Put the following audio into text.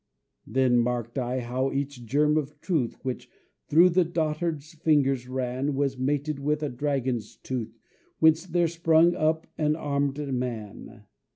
Then marked I how each germ of truth Which through the dotard's fingers ran Was mated with a dragon's tooth Whence there sprang up an armed man.